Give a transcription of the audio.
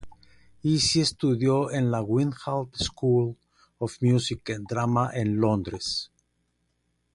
Izzy estudió en la Guildhall School of Music and Drama en Londres.